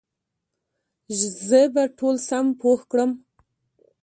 زه به ټول سم پوه کړم